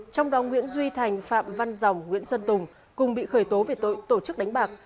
trong đó nguyễn duy thành phạm văn rồng nguyễn xuân tùng cùng bị khởi tố về tội tổ chức đánh bạc